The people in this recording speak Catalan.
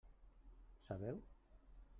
Sabeu?